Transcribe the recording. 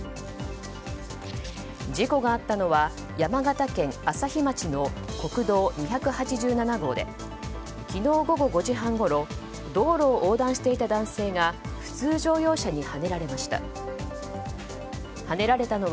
事故があったのは山形県朝日町の国道２８７号で昨日午後５時半ごろ道路を横断していた男性が普通乗用車にはねられました。